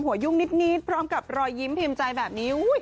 ยุ่งนิดพร้อมกับรอยยิ้มพิมพ์ใจแบบนี้